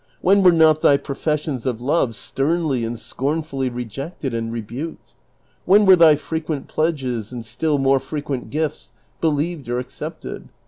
When were not thy professions of love sternly and scornfully re jected and rebuked? When were thy frequent pledges and still more frequent gifts believed or accepted?